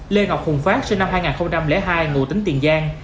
lê ngọc hùng phát sinh năm hai nghìn hai ngụ tính tiền giang